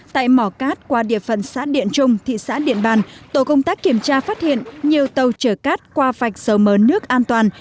tại mỏ cát qua địa phận xã điện trung thị xã điện bàn tổ công tác kiểm tra phát hiện nhiều tàu chở cát qua vạch dầu mớn nước an toàn